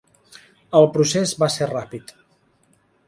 El procés va ser ràpid.